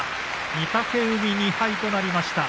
御嶽海２敗となりました。